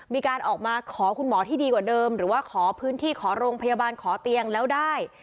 มีการออกมาขอคุณหมอที่ดีกว่าเดิมหรือว่าขอพื้นที่ขอโรงพยาบาลขอเตียงแล้วได้